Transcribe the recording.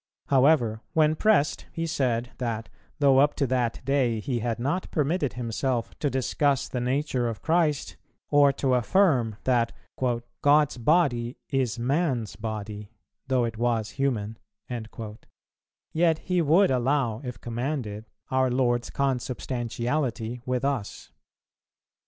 However, when pressed, he said, that, though up to that day he had not permitted himself to discuss the nature of Christ, or to affirm that "God's body is man's body though it was human," yet he would allow, if commanded, our Lord's consubstantiality with us.